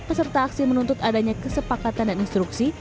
peserta aksi menuntut adanya kesepakatan dan instruksi